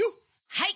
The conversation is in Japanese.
はい！